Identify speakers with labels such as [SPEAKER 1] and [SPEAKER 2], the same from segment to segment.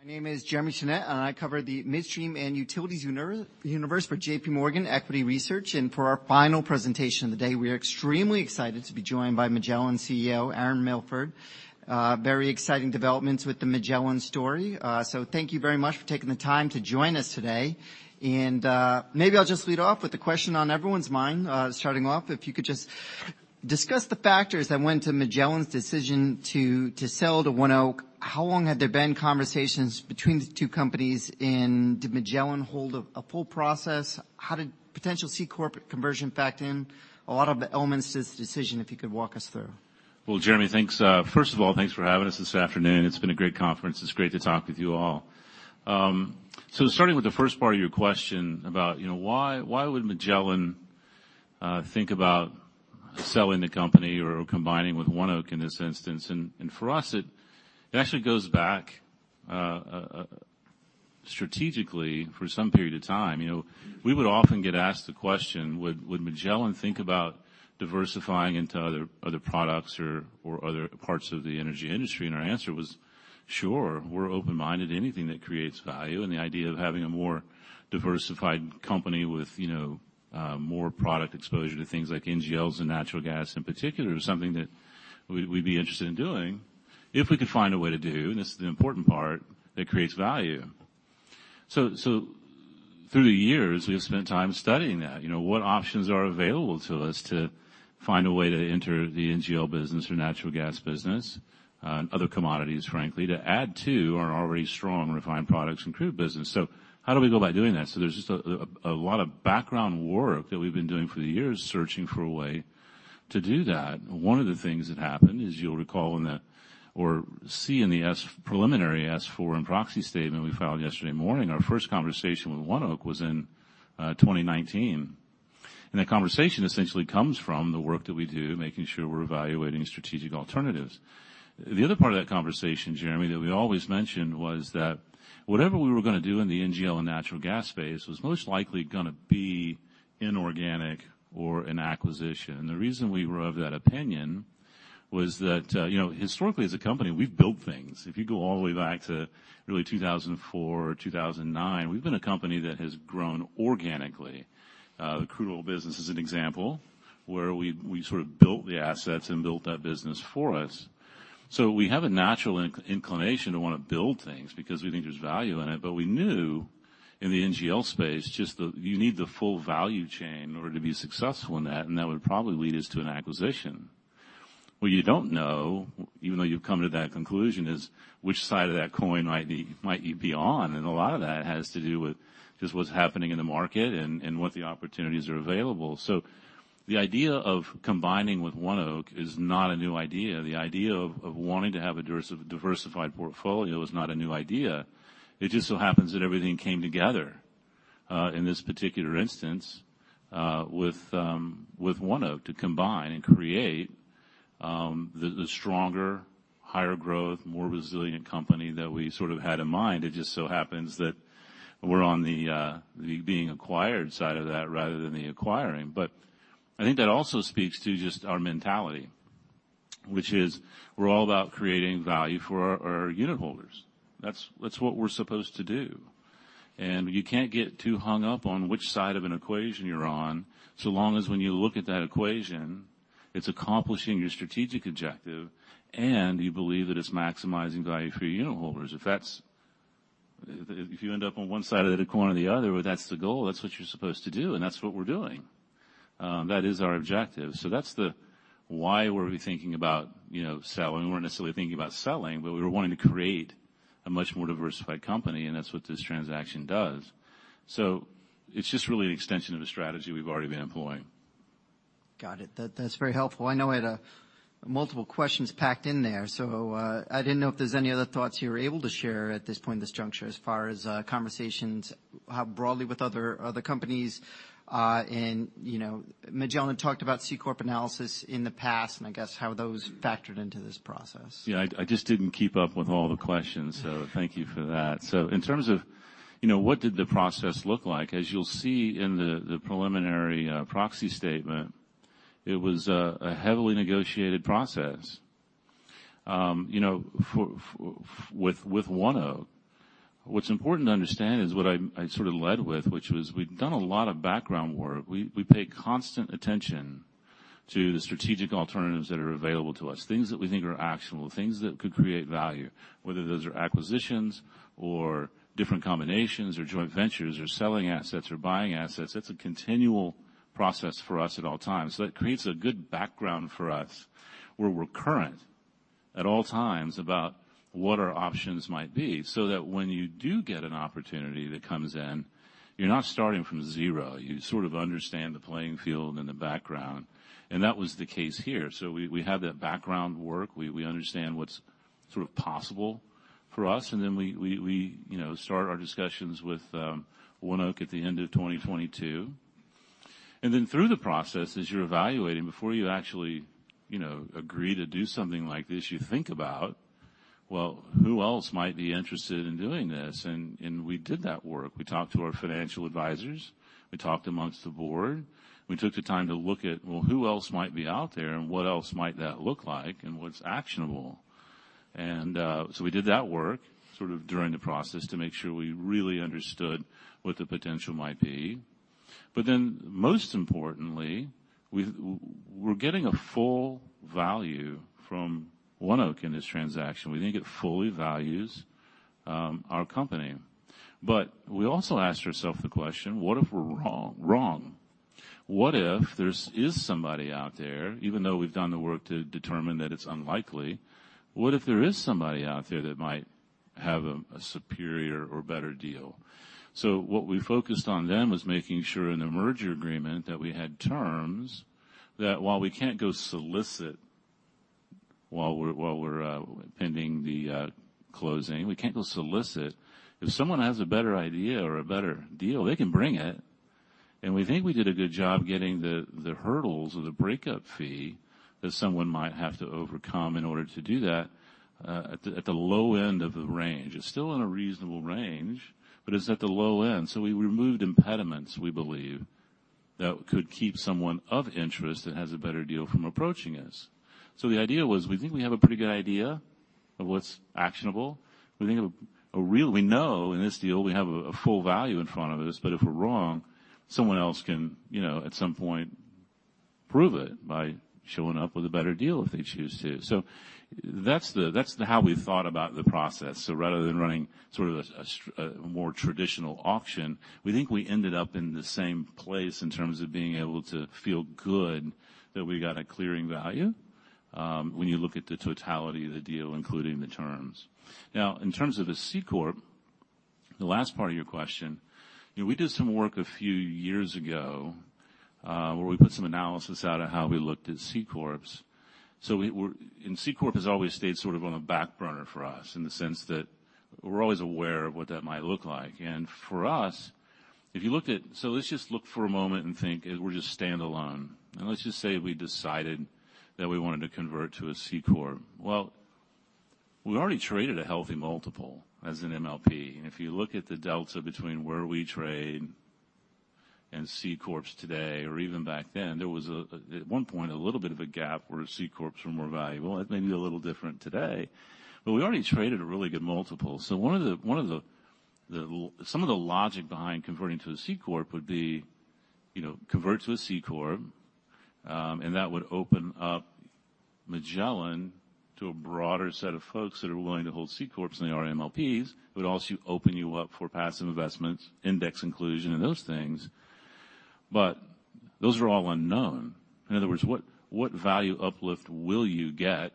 [SPEAKER 1] My name is Jeremy Tonet, I cover the midstream and utilities universe for JPMorgan Equity Research. For our final presentation of the day, we are extremely excited to be joined by Magellan CEO, Aaron Milford. Very exciting developments with the Magellan story. Thank you very much for taking the time to join us today, maybe I'll just lead off with the question on everyone's mind. Starting off, if you could just discuss the factors that went into Magellan's decision to sell to ONEOK. How long had there been conversations between the two companies, did Magellan hold a full process? How did potential C corporate conversion factor in? A lot of elements to this decision, if you could walk us through.
[SPEAKER 2] Well, Jeremy, thanks. First of all, thanks for having us this afternoon. It's been a great conference. It's great to talk with you all. Starting with the first part of your question about, you know, why would Magellan think about selling the company or combining with ONEOK in this instance? For us, it actually goes back strategically for some period of time. You know, we would often get asked the question: Would Magellan think about diversifying into other products or other parts of the energy industry? Our answer was, sure, we're open-minded to anything that creates value, and the idea of having a more diversified company with, you know, more product exposure to things like NGLs and natural gas, in particular, is something that we'd be interested in doing if we could find a way to do, and this is the important part, that creates value. Through the years, we've spent time studying that. You know, what options are available to us to find a way to enter the NGL business or natural gas business, and other commodities, frankly, to add to our already strong refined products and crude business. How do we go about doing that? There's just a lot of background work that we've been doing for the years, searching for a way to do that. One of the things that happened is, you'll recall in the... or see in the preliminary S-4 and proxy statement we filed yesterday morning, our first conversation with ONEOK was in 2019. That conversation essentially comes from the work that we do, making sure we're evaluating strategic alternatives. The other part of that conversation, Jeremy, that we always mentioned, was that whatever we were gonna do in the NGL and natural gas space was most likely gonna be inorganic or an acquisition. The reason we were of that opinion was that, you know, historically, as a company, we've built things. If you go all the way back to really 2004 or 2009, we've been a company that has grown organically. The crude oil business is an example, where we sort of built the assets and built that business for us. We have a natural inclination to want to build things because we think there's value in it. We knew in the NGL space, just you need the full value chain in order to be successful in that, and that would probably lead us to an acquisition. What you don't know, even though you've come to that conclusion, is which side of that coin might you be on, and a lot of that has to do with just what's happening in the market and what the opportunities are available. The idea of combining with ONEOK is not a new idea. The idea of wanting to have a diversified portfolio is not a new idea. It just so happens that everything came together in this particular instance with ONEOK, to combine and create the stronger, higher growth, more resilient company that we sort of had in mind. I think that also speaks to just our mentality, which is we're all about creating value for our unitholders. That's what we're supposed to do. You can't get too hung up on which side of an equation you're on, so long as when you look at that equation, it's accomplishing your strategic objective, and you believe that it's maximizing value for your unitholders. If that's... If you end up on one side of that coin or the other, well, that's the goal, that's what you're supposed to do, and that's what we're doing. That is our objective. That's the why were we thinking about, you know, selling. We weren't necessarily thinking about selling. We were wanting to create a much more diversified company. That's what this transaction does. It's just really an extension of a strategy we've already been employing.
[SPEAKER 1] Got it. That, that's very helpful. I know I had multiple questions packed in there, so I didn't know if there's any other thoughts you were able to share at this point, in this juncture, as far as conversations broadly with other companies. you know, Magellan talked about C corp analysis in the past, and I guess how those factored into this process.
[SPEAKER 2] I just didn't keep up with all the questions, thank you for that. In terms of, you know, what did the process look like? As you'll see in the preliminary proxy statement, it was a heavily negotiated process. You know, with ONEOK. What's important to understand is what I sort of led with, which was we've done a lot of background work. We pay constant attention to the strategic alternatives that are available to us, things that we think are actionable, things that could create value, whether those are acquisitions or different combinations or joint ventures or selling assets or buying assets. It's a continual process for us at all times. That creates a good background for us, where we're current at all times about what our options might be, so that when you do get an opportunity that comes in, you're not starting from zero. You sort of understand the playing field and the background, and that was the case here. We had that background work. We understand what's sort of possible for us, and then we, you know, start our discussions with ONEOK at the end of 2022. Through the process, as you're evaluating, before you actually, you know, agree to do something like this, you think about, well, who else might be interested in doing this? We did that work. We talked to our financial advisors. We talked amongst the board. We took the time to look at, well, who else might be out there, and what else might that look like, and what's actionable? We did that work, sort of during the process, to make sure we really understood what the potential might be. Most importantly, we're getting a full value from ONEOK in this transaction. We think it fully values our company. We also asked ourselves the question: What if we're wrong? Wrong. What if there's is somebody out there, even though we've done the work to determine that it's unlikely, what if there is somebody out there that might have a superior or better deal? What we focused on then, was making sure in the merger agreement that we had terms, that while we can't go solicit while we're pending the closing, we can't go solicit. If someone has a better idea or a better deal, they can bring it, and we think we did a good job getting the hurdles or the breakup fee that someone might have to overcome in order to do that at the low end of the range. It's still in a reasonable range, but it's at the low end. We removed impediments, we believe, that could keep someone of interest that has a better deal from approaching us. The idea was, we think we have a pretty good idea of what's actionable. We think we know in this deal, we have a full value in front of us. If we're wrong, someone else can, you know, at some point, prove it by showing up with a better deal if they choose to. That's how we thought about the process. Rather than running sort of a more traditional auction, we think we ended up in the same place in terms of being able to feel good that we got a clearing value when you look at the totality of the deal, including the terms. In terms of a C corp, the last part of your question, you know, we did some work a few years ago where we put some analysis out of how we looked at C corps. We're. C corp has always stayed sort of on the back burner for us, in the sense that we're always aware of what that might look like. For us, if you looked at, so let's just look for a moment and think as we're just standalone. Let's just say we decided that we wanted to convert to a C corp. Well, we already traded a healthy multiple as an MLP. If you look at the delta between where we trade and C corps today, or even back then, there was at one point, a little bit of a gap where C corps were more valuable, and maybe a little different today. We already traded a really good multiple. One of the some of the logic behind converting to a C corp would be, you know, convert to a C corp, and that would open up Magellan to a broader set of folks that are willing to hold C corps than they are MLPs. It would also open you up for passive investments, index inclusion, and those things. Those are all unknown. In other words, what value uplift will you get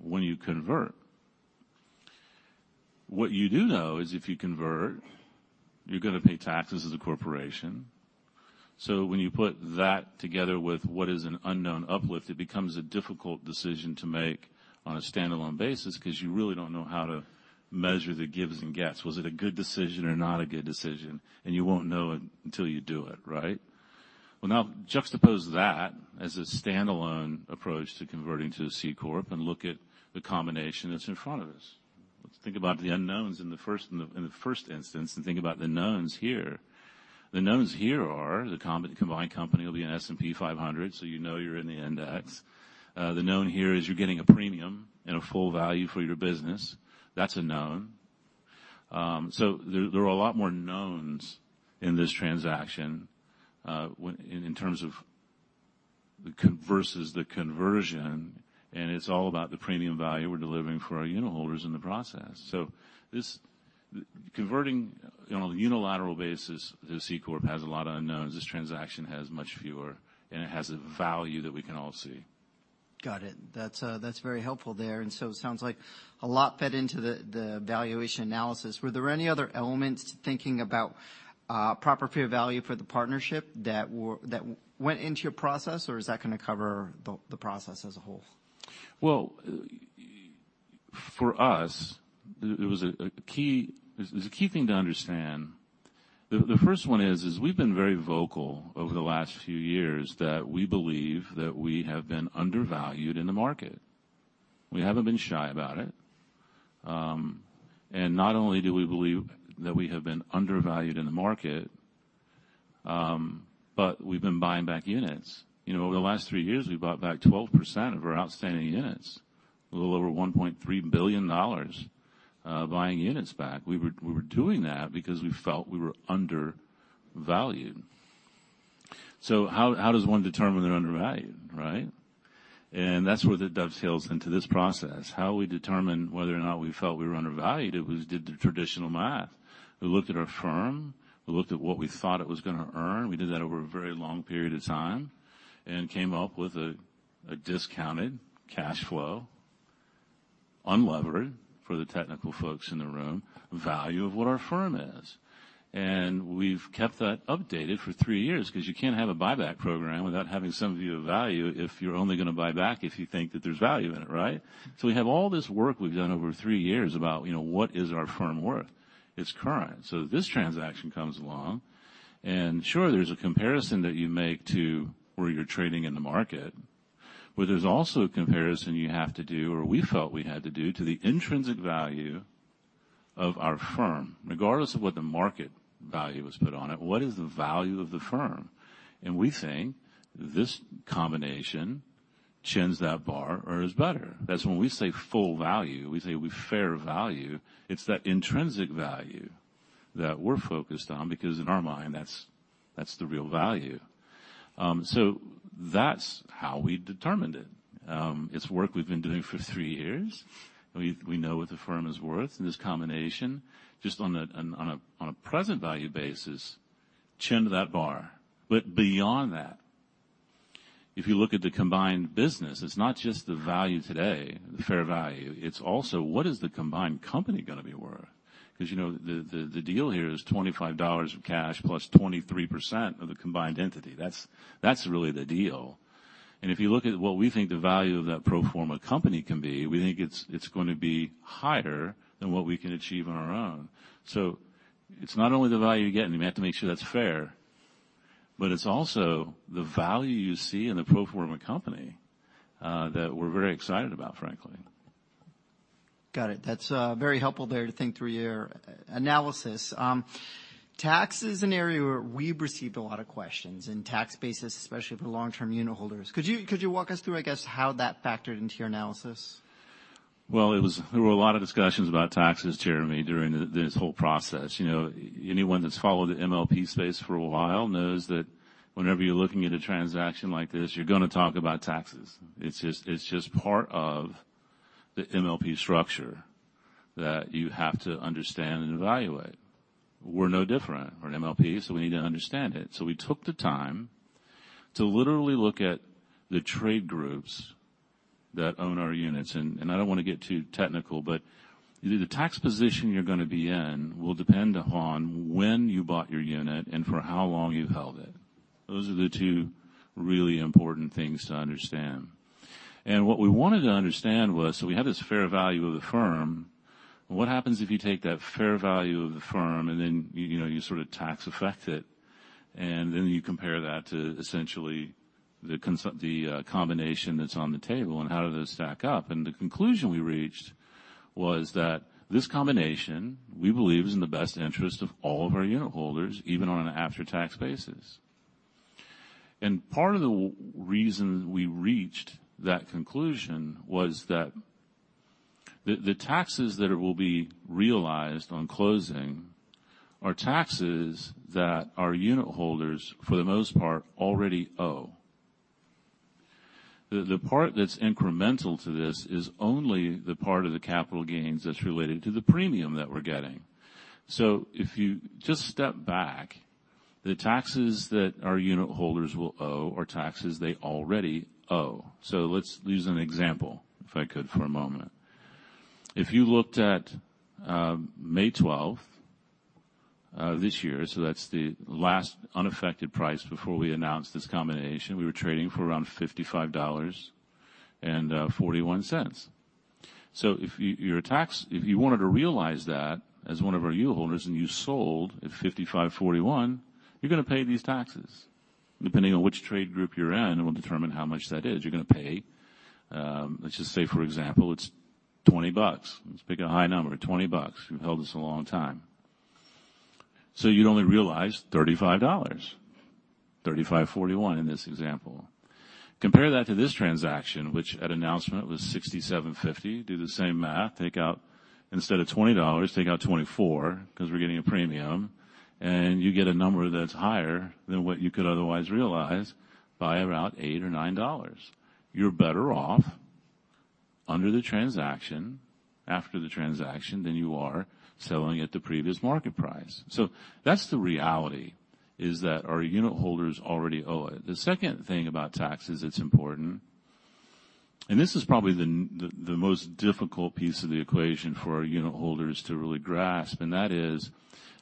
[SPEAKER 2] when you convert? What you do know is if you convert, you're going to pay taxes as a corporation. When you put that together with what is an unknown uplift, it becomes a difficult decision to make on a standalone basis, 'cause you really don't know how to measure the gives and gets. Was it a good decision or not a good decision? You won't know it until you do it, right? Well, now, juxtapose that as a standalone approach to converting to a C corp and look at the combination that's in front of us. Let's think about the unknowns in the first instance, and think about the knowns here. The knowns here are the combined company will be in S&P 500, so you know you're in the index. The known here is you're getting a premium and a full value for your business. That's a known. There are a lot more knowns in this transaction in terms of the conversion, and it's all about the premium value we're delivering for our unitholders in the process. Converting, on a unilateral basis, the C corp has a lot of unknowns. This transaction has much fewer, and it has a value that we can all see.
[SPEAKER 1] Got it. That's very helpful there. It sounds like a lot fed into the valuation analysis. Were there any other elements to thinking about, proper fair value for the partnership that went into your process, or is that gonna cover the process as a whole?
[SPEAKER 2] Well, for us, there's a key thing to understand. The first one is we've been very vocal over the last few years, that we believe that we have been undervalued in the market. We haven't been shy about it. Not only do we believe that we have been undervalued in the market, but we've been buying back units. You know, over the last three years, we bought back 12% of our outstanding units, a little over $1.3 billion, buying units back. We were doing that because we felt we were undervalued. How does one determine they're undervalued, right? That's where it dovetails into this process. How we determine whether or not we felt we were undervalued, it was, did the traditional math. We looked at our firm, we looked at what we thought it was going to earn. We did that over a very long period of time and came up with a discounted cash flow, unlevered, for the technical folks in the room, value of what our firm is. We've kept that updated for 3 years, 'cause you can't have a buyback program without having some view of value if you're only going to buy back, if you think that there's value in it, right? We have all this work we've done over 3 years about, you know, what is our firm worth? It's current. This transaction comes along, and sure, there's a comparison that you make to where you're trading in the market, but there's also a comparison you have to do, or we felt we had to do, to the intrinsic value of our firm. Regardless of what the market value was put on it, what is the value of the firm? We think this combination chins that bar or is better. That's when we say full value, we say with fair value, it's that intrinsic value that we're focused on, because in our mind, that's the real value. That's how we determined it. It's work we've been doing for 3 years. We know what the firm is worth, and this combination, just on a present value basis, chin to that bar. Beyond that, if you look at the combined business, it's not just the value today, the fair value, it's also what is the combined company going to be worth? You know, the deal here is $25 of cash plus 23% of the combined entity. That's really the deal. If you look at what we think the value of that pro forma company can be, we think it's going to be higher than what we can achieve on our own. It's not only the value you're getting, we have to make sure that's fair, but it's also the value you see in the pro forma company, that we're very excited about, frankly.
[SPEAKER 1] Got it. That's very helpful there to think through your analysis. Tax is an area where we've received a lot of questions, and tax basis, especially for long-term unitholders. Could you walk us through, I guess, how that factored into your analysis?
[SPEAKER 2] Well, there were a lot of discussions about taxes, Jeremy, during this whole process. You know, anyone that's followed the MLP space for a while knows that whenever you're looking at a transaction like this, you're going to talk about taxes. It's just part of the MLP structure that you have to understand and evaluate. We're no different. We're an MLP, so we need to understand it. We took the time to literally look at the trade groups that own our units. I don't want to get too technical, but the tax position you're going to be in will depend upon when you bought your unit and for how long you've held it. Those are the two really important things to understand. What we wanted to understand was, we have this fair value of the firm, what happens if you take that fair value of the firm, you know, you sort of tax affect it, you compare that to essentially the combination that's on the table, and how do they stack up? The conclusion we reached was that this combination, we believe, is in the best interest of all of our unitholders, even on an after-tax basis. Part of the reason we reached that conclusion was that the taxes that will be realized on closing are taxes that our unitholders, for the most part, already owe. The, the part that's incremental to this is only the part of the capital gains that's related to the premium that we're getting. If you just step back, the taxes that our unitholders will owe are taxes they already owe. Let's use an example, if I could, for a moment. If you looked at May twelfth of this year, that's the last unaffected price before we announced this combination, we were trading for around $55.41. If you wanted to realize that as one of our unitholders, and you sold at $55.41, you're going to pay these taxes. Depending on which trade group you're in, it will determine how much that is. You're going to pay, let's just say, for example, it's $20. Let's pick a high number, $20. You've held this a long time. You'd only realize $35. $35.41 in this example. Compare that to this transaction, which at announcement was $67.50. Do the same math. Take out, instead of $20, take out $24, because we're getting a premium. You get a number that's higher than what you could otherwise realize by about $8 or $9. You're better off under the transaction, after the transaction, than you are selling at the previous market price. That's the reality, is that our unitholders already owe it. The second thing about taxes that's important. This is probably the most difficult piece of the equation for our unitholders to really grasp. That is,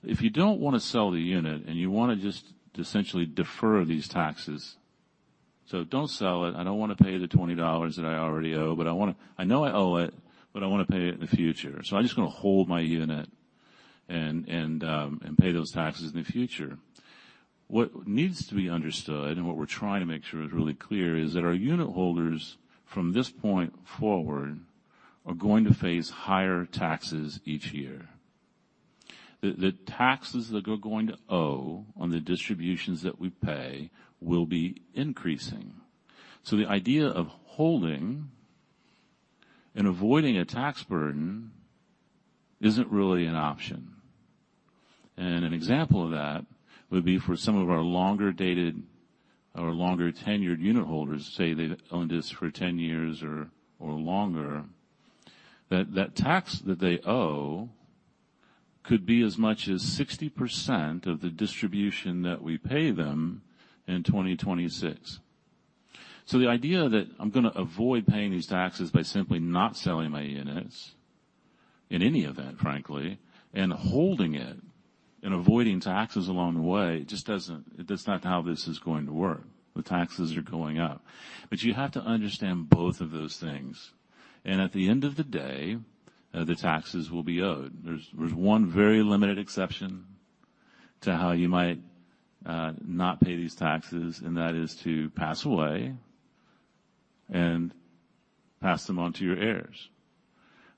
[SPEAKER 2] if you don't wanna sell the unit and you wanna just essentially defer these taxes... Don't sell it. I don't wanna pay the $20 that I already owe. I know I owe it, but I wanna pay it in the future. I'm just gonna hold my unit and pay those taxes in the future. What needs to be understood, and what we're trying to make sure is really clear, is that our unitholders, from this point forward, are going to face higher taxes each year. The taxes that we're going to owe on the distributions that we pay will be increasing. The idea of holding and avoiding a tax burden isn't really an option. An example of that would be for some of our longer-dated or longer-tenured unitholders, say, they've owned this for 10 years or longer, that tax that they owe could be as much as 60% of the distribution that we pay them in 2026. The idea that I'm gonna avoid paying these taxes by simply not selling my units, in any event, frankly, and holding it and avoiding taxes along the way, it just doesn't, that's not how this is going to work. The taxes are going up. You have to understand both of those things, and at the end of the day, the taxes will be owed. There's one very limited exception to how you might not pay these taxes, and that is to pass away and pass them on to your heirs.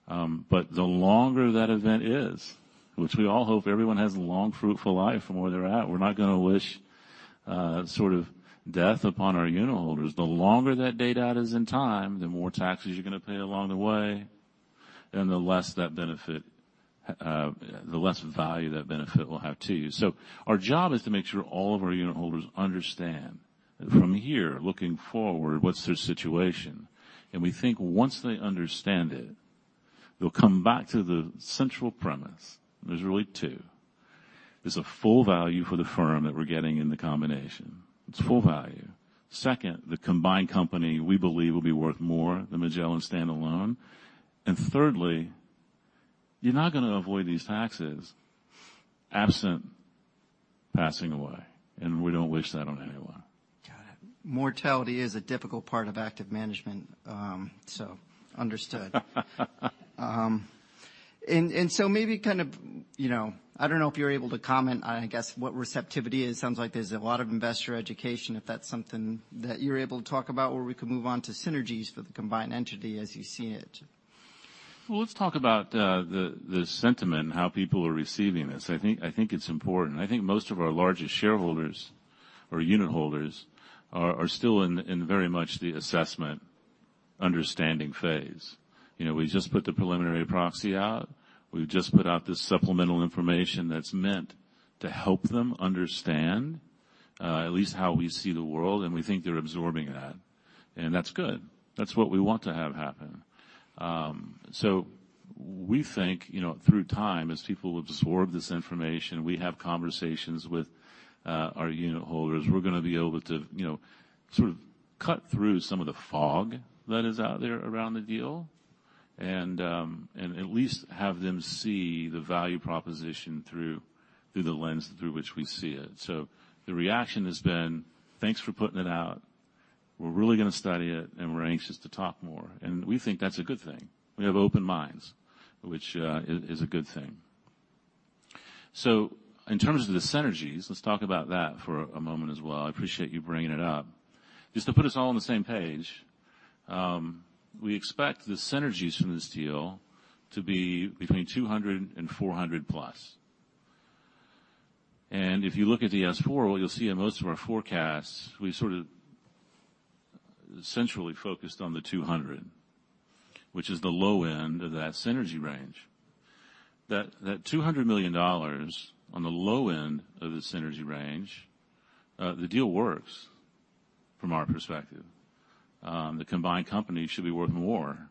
[SPEAKER 2] The longer that event is, which we all hope everyone has a long, fruitful life from where they're at. We're not going to wish sort of death upon our unitholders. The longer that date out is in time, the more taxes you're going to pay along the way, and the less value that benefit will have to you. Our job is to make sure all of our unitholders understand that from here, looking forward, what's their situation? We think once they understand it, they'll come back to the central premise. There's really two. There's a full value for the firm that we're getting in the combination. It's full value. Second, the combined company, we believe, will be worth more than Magellan standalone. Thirdly, you're not gonna avoid these taxes absent passing away, and we don't wish that on anyone.
[SPEAKER 1] Got it. Mortality is a difficult part of active management. Understood. Maybe kind of, you know, I don't know if you're able to comment on, I guess, what receptivity is. Sounds like there's a lot of investor education, if that's something that you're able to talk about, or we could move on to synergies for the combined entity as you see it.
[SPEAKER 2] Well, let's talk about the sentiment and how people are receiving this. I think it's important. I think most of our largest shareholders or unitholders are still in very much the assessment, understanding phase. You know, we just put the preliminary proxy out. We've just put out this supplemental information that's meant to help them understand at least how we see the world, and we think they're absorbing that, and that's good. That's what we want to have happen. We think, you know, through time, as people will absorb this information, we have conversations with our unitholders. We're gonna be able to, you know, sort of cut through some of the fog that is out there around the deal and at least have them see the value proposition through the lens through which we see it. The reaction has been, Thanks for putting it out. We're really gonna study it, and we're anxious to talk more. We think that's a good thing. We have open minds, which is a good thing. In terms of the synergies, let's talk about that for a moment as well. I appreciate you bringing it up. Just to put us all on the same page, we expect the synergies from this deal to be between $200 million and $400 million plus. If you look at the S-4, what you'll see in most of our forecasts, we sort of centrally focused on the $200 million, which is the low end of that synergy range. That $200 million on the low end of the synergy range, the deal works from our perspective. The combined company should be worth more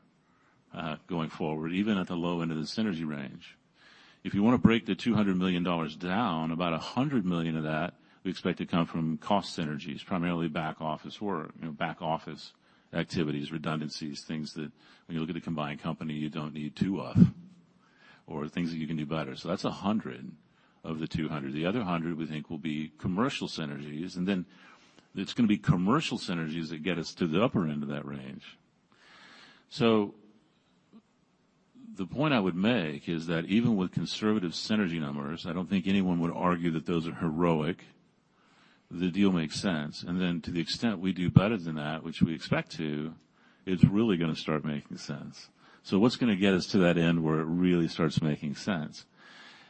[SPEAKER 2] going forward, even at the low end of the synergy range. If you want to break the $200 million down, about $100 million of that we expect to come from cost synergies, primarily back office work, you know, back office activities, redundancies, things that when you look at a combined company, you don't need two of, or things that you can do better. That's $100 of the $200. The other $100, we think, will be commercial synergies, it's going to be commercial synergies that get us to the upper end of that range. The point I would make is that even with conservative synergy numbers, I don't think anyone would argue that those are heroic. The deal makes sense, and then to the extent we do better than that, which we expect to, it's really gonna start making sense. What's gonna get us to that end where it really starts making sense?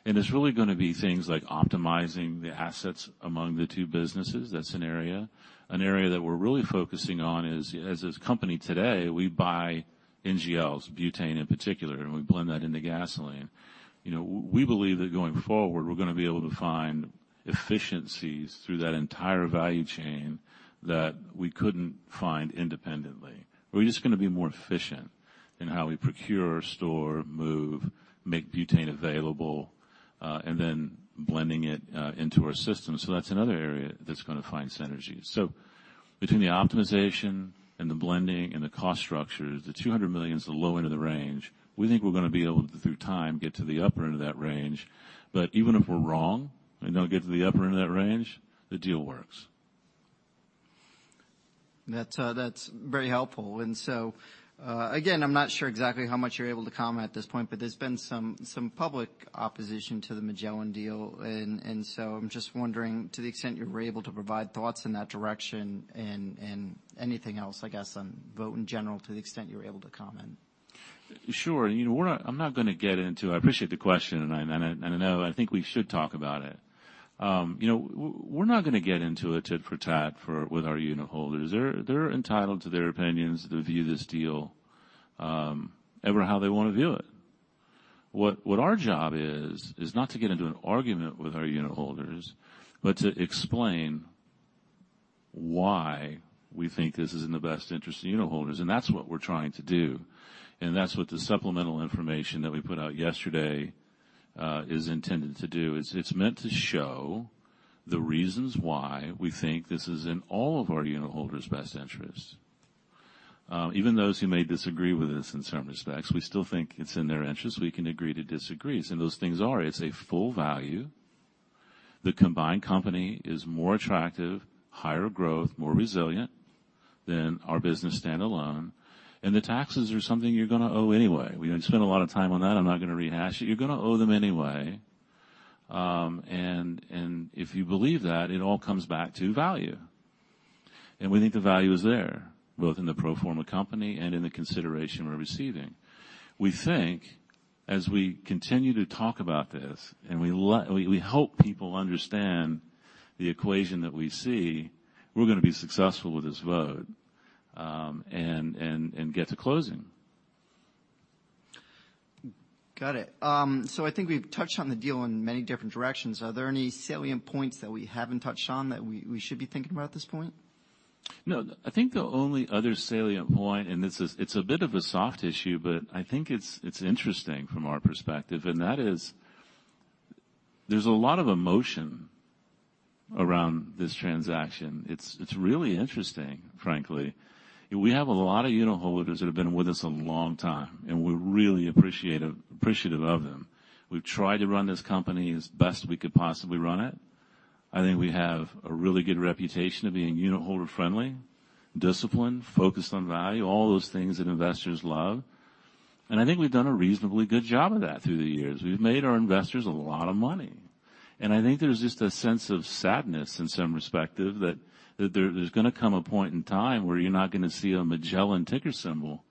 [SPEAKER 2] It's really gonna be things like optimizing the assets among the two businesses. That's an area. An area that we're really focusing on is, as this company today, we buy NGLs, butane in particular, and we blend that into gasoline. You know, we believe that going forward, we're gonna be able to find efficiencies through that entire value chain that we couldn't find independently. We're just gonna be more efficient in how we procure, store, move, make butane available, and then blending it into our system. That's another area that's going to find synergies. Between the optimization and the blending and the cost structures, the $200 million is the low end of the range. We think we're going to be able to, through time, get to the upper end of that range. Even if we're wrong and don't get to the upper end of that range, the deal works.
[SPEAKER 1] That's very helpful. Again, I'm not sure exactly how much you're able to comment at this point, but there's been some public opposition to the Magellan deal, and so I'm just wondering, to the extent you were able to provide thoughts in that direction and anything else, I guess, on vote in general, to the extent you're able to comment.
[SPEAKER 2] Sure. You know, I'm not going to get into it. I appreciate the question, and I know, I think we should talk about it. You know, we're not going to get into a tit for tat for, with our unitholders. They're entitled to their opinions to view this deal, ever how they want to view it. What our job is not to get into an argument with our unitholders, but to explain why we think this is in the best interest of unitholders. That's what we're trying to do. That's what the supplemental information that we put out yesterday is intended to do. It's meant to show the reasons why we think this is in all of our unitholders' best interests. Even those who may disagree with this in certain respects, we still think it's in their interest. We can agree to disagree. Those things are, it's a full value. The combined company is more attractive, higher growth, more resilient than our business standalone, and the taxes are something you're gonna owe anyway. We didn't spend a lot of time on that. I'm not gonna rehash it. You're gonna owe them anyway. And if you believe that, it all comes back to value. We think the value is there, both in the pro forma company and in the consideration we're receiving. We think as we continue to talk about this, and we help people understand the equation that we see, we're gonna be successful with this vote, and get to closing.
[SPEAKER 1] Got it. I think we've touched on the deal in many different directions. Are there any salient points that we haven't touched on that we should be thinking about at this point?
[SPEAKER 2] I think the only other salient point, it's a bit of a soft issue, but I think it's interesting from our perspective. There's a lot of emotion around this transaction. It's really interesting, frankly. We have a lot of unitholders that have been with us a long time. We're really appreciative of them. We've tried to run this company as best we could possibly run it. I think we have a really good reputation of being unitholder-friendly, disciplined, focused on value, all those things that investors love. I think we've done a reasonably good job of that through the years. We've made our investors a lot of money. I think there's just a sense of sadness in some respective that there's going to come a point in time where you're not going to see a Magellan ticker symbol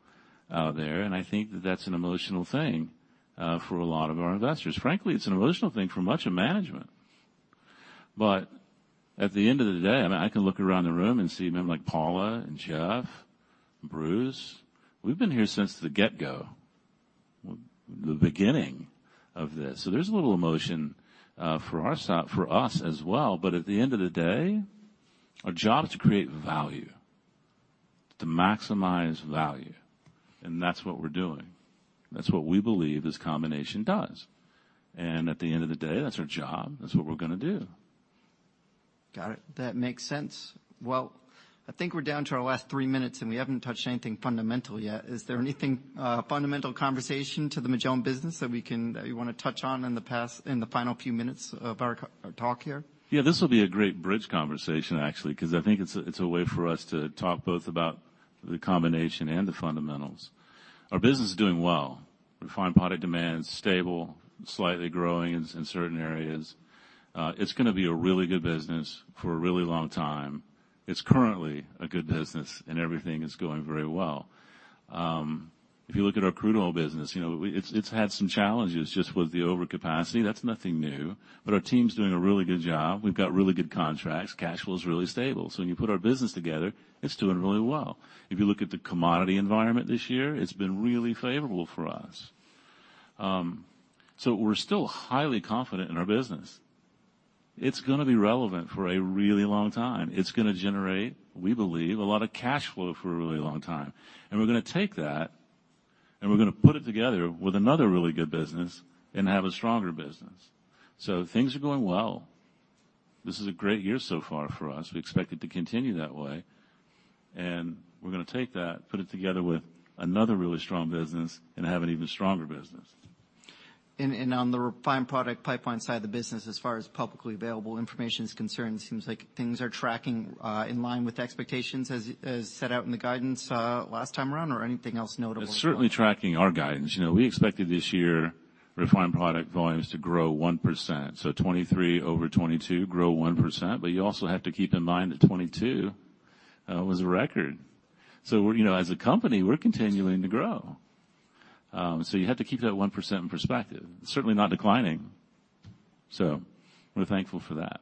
[SPEAKER 2] out there, and I think that's an emotional thing for a lot of our investors. Frankly, it's an emotional thing for much of management. At the end of the day, I mean, I can look around the room and see men like Paula, Jeff, Bruce. We've been here since the get-go, the beginning of this. There's a little emotion for us as well. At the end of the day, our job is to create value, to maximize value, and that's what we're doing. That's what we believe this combination does. At the end of the day, that's our job, that's what we're going to do.
[SPEAKER 1] Got it. That makes sense. I think we're down to our last three minutes, and we haven't touched anything fundamental yet. Is there anything fundamental conversation to the Magellan business that you wanna touch on in the past, in the final few minutes of our talk here?
[SPEAKER 2] Yeah, this will be a great bridge conversation, actually, 'cause I think it's a way for us to talk both about the combination and the fundamentals. Our business is doing well. Refined product demand is stable, slightly growing in certain areas. It's going to be a really good business for a really long time. It's currently a good business. Everything is going very well. If you look at our crude oil business, you know, it's had some challenges just with the overcapacity. That's nothing new. Our team's doing a really good job. We've got really good contracts. Cash flow is really stable. When you put our business together, it's doing really well. If you look at the commodity environment this year, it's been really favorable for us. We're still highly confident in our business. It's gonna be relevant for a really long time. It's gonna generate, we believe, a lot of cash flow for a really long time. We're gonna take that, and we're gonna put it together with another really good business and have a stronger business. Things are going well. This is a great year so far for us. We expect it to continue that way. We're going to take that, put it together with another really strong business and have an even stronger business.
[SPEAKER 1] On the refined product pipeline side of the business, as far as publicly available information is concerned, it seems like things are tracking, in line with expectations as set out in the guidance, last time around, or anything else noteworthy?
[SPEAKER 2] It's certainly tracking our guidance. You know, we expected this year refined product volumes to grow 1%, so 2023 over 2022, grow 1%. You also have to keep in mind that 2022 was a record. You know, as a company, we're continuing to grow. You have to keep that 1% in perspective. Certainly not declining, we're thankful for that.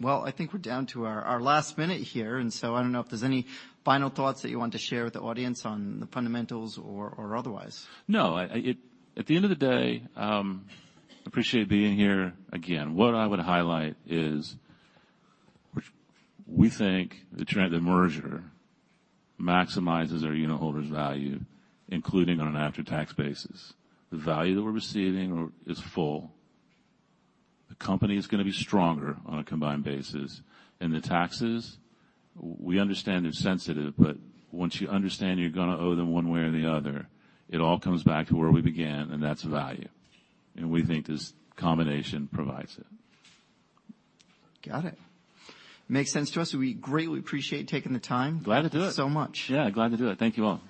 [SPEAKER 1] Well, I think we're down to our last minute here, and so I don't know if there's any final thoughts that you want to share with the audience on the fundamentals or otherwise.
[SPEAKER 2] At the end of the day, appreciate being here again. What I would highlight is, we think the trend, the merger maximizes our unitholders' value, including on an after-tax basis. The value that we're receiving is full. The company is gonna be stronger on a combined basis. The taxes, we understand they're sensitive. Once you understand you're gonna owe them one way or the other, it all comes back to where we began. That's value. We think this combination provides it.
[SPEAKER 1] Got it. Makes sense to us. We greatly appreciate you taking the time-
[SPEAKER 2] Glad to do it.
[SPEAKER 1] so much.
[SPEAKER 2] Yeah, glad to do it. Thank you all.